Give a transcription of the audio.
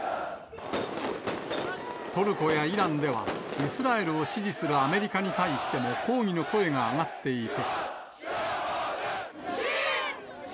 トルコやイランではイスラエルを支持するアメリカに対しても抗議の声が上がっていて。